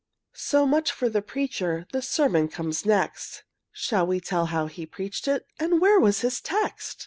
So much for the preacher: The sermon comes next, Shall we tell how he preached it, And where was his text?